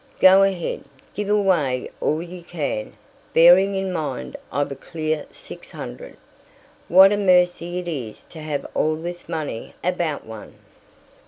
"Go ahead; give away all you can, bearing in mind I've a clear six hundred. What a mercy it is to have all this money about one!"